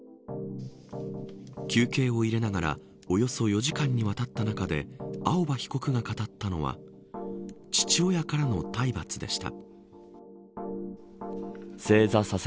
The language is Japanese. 休憩を入れながらおよそ４時間にわたったなかで青葉被告が語ったのは父親からの体罰でした。